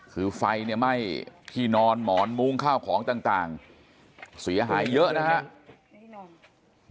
คือไฟเนี่ยไหม้ที่นอนหมอนมุ้งข้าวของต่างเสียหายเยอะนะครับ